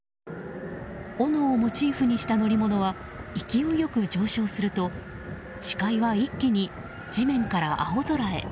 おのをモチーフにした乗り物は勢いよく上昇すると視界は一気に地面から青空へ。